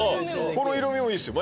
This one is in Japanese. この色味もいいっすよ。